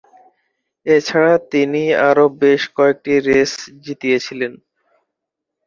এছাড়া তিনি আরও বেশ কয়েকটি রেস জিতেছিলেন।